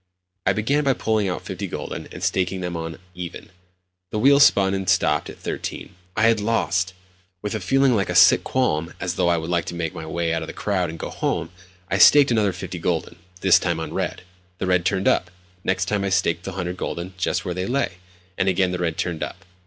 I began by pulling out fifty gülden, and staking them on "even." The wheel spun and stopped at 13. I had lost! With a feeling like a sick qualm, as though I would like to make my way out of the crowd and go home, I staked another fifty gülden—this time on the red. The red turned up. Next time I staked the 100 gülden just where they lay—and again the red turned up.